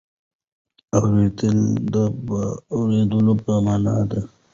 اورېدل د بارېدلو په مانا ده.